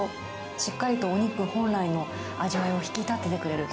しっかりとお肉本来の味わいを引き立ててくれる。